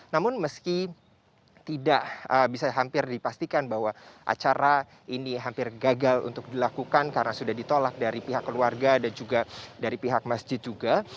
namun meski tidak bisa hampir dipastikan bahwa acara ini hampir gagal untuk dilakukan karena sudah ditolak dari pihak keluarga dan juga dari pihak masjid juga